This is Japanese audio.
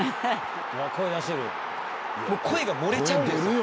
声が漏れちゃってるんです。